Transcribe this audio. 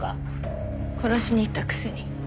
殺しに行ったくせに。